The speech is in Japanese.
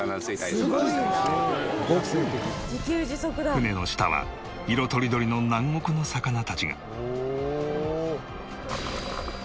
船の下は色とりどりの南国の魚たちが。